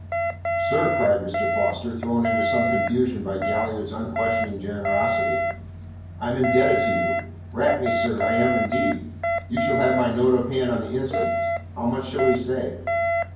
"Sir," cried Mr. Foster, thrown into some confusion by Galliard's unquestioning generosity, "I am indebted to you. Rat me, sir, I am indeed. You shall have my note of hand on the instant. How much shall we say?"